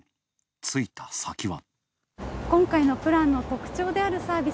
着いた先は。